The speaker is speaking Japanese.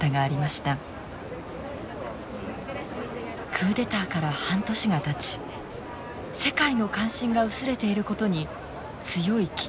クーデターから半年がたち世界の関心が薄れていることに強い危機感を抱いています。